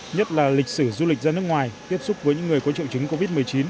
nhất là lịch sử du lịch ra nước ngoài tiếp xúc với những người có triệu chứng covid một mươi chín